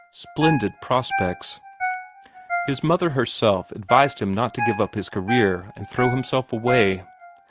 Splendid prospects. His mother herself advised him not to give up his career and throw himself away.